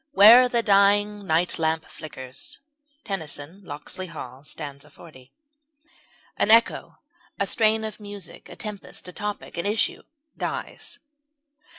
Where the dying night lamp flickers. TENNYSON Locksley Hall st. 40. An echo, a strain of music, a tempest, a topic, an issue, dies.